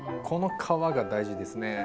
この皮が大事ですね。